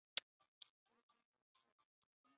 刘锡华为台湾男性配音员。